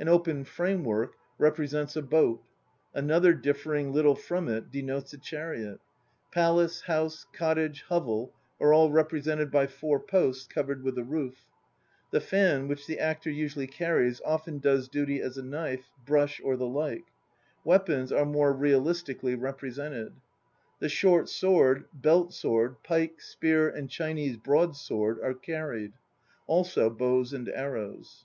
An open frame work represents a boat; another differing little il denotes a chariot. Palace, house, cottage, hovel are all represented by four posts covered with a roof. The fan which the usually carries often does duty as a knife, brush or the like. Weapons are more realistically represented. The short sword, belt sword, pike, spear and Chinese broad sword are carried; also bows and arrows.